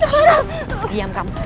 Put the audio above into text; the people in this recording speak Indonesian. neng diam kamu